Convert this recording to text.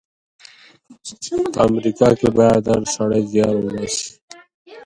د غازي امان الله خان روح دې ښاد وي.